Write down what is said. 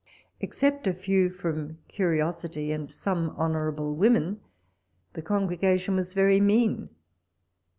Except a few from curiosity, and some honourable u omen, the congregation was very mean.